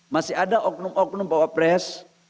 masih ada oknum oknum pak pak pres